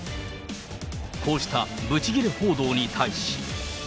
こうしたぶち切れ報道に対し。